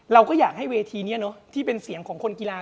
เราก็อยากให้เวทีนี้เนอะที่เป็นเสียงของคนกีฬา